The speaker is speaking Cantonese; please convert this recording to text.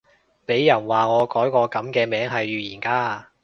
俾人話我改個噉嘅名係預言家